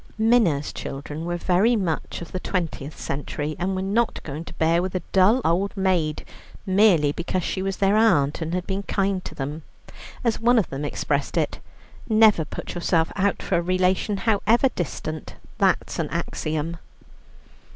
Minna's children were very much of the twentieth century, and were not going to bear with a dull old maid, merely because she was their aunt and had been kind to them. As one of them expressed it, "Never put yourself out for a relation, however distant. That's an axiom."